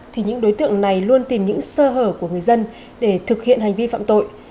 thì những đối tượng này luôn tìm những sơ hở của người dân để thực hiện hành vi phạm tội